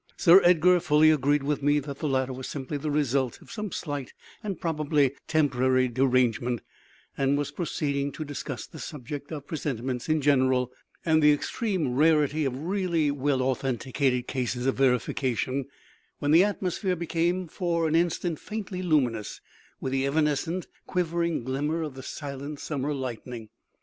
Sir Edgar fully agreed with me that the latter was simply the result of some slight and probably temporary derangement, and was proceeding to discuss the subject of presentiments in general, and the extreme rarity of really well authenticated cases of verification, when the atmosphere became for an instant faintly luminous with the evanescent, quivering glimmer of the silent, summer lightning.